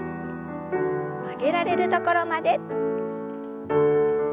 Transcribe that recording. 曲げられるところまで。